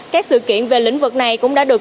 các sự kiện về lĩnh vực này cũng đã được